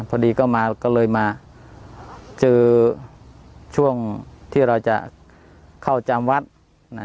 พอดีก็มาก็เลยมาเจอช่วงที่เราจะเข้าจำวัดนะ